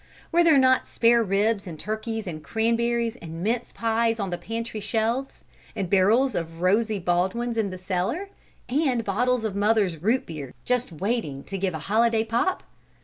Were there not spareribs and turkeys and cranberries and mince pies on the pantry shelves, and barrels of rosy Baldwins in the cellar and bottles of mother's root beer just waiting to give a holiday pop?